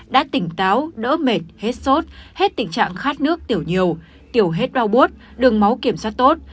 đã tỉnh táo đỡ mệt hết sốt hết tình trạng khát nước tiểu nhiều tiểu hết đau bút đường máu kiểm soát tốt